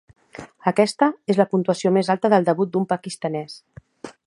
Aquesta és la puntuació més alta del debut d'un pakistanès.